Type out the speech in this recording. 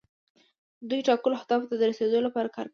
دوی ټاکلو اهدافو ته د رسیدو لپاره کار کوي.